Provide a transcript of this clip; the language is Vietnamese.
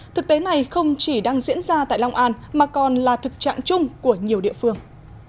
thực tế này không chỉ đang diễn ra tại long an mà còn là thực trạng chung của nhiều địa phương